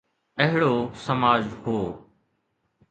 اهڙو سماج هو.